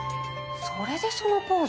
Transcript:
それでそのポーズ。